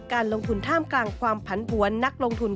การลงทุนท่ามกลางความผันผวนนักลงทุน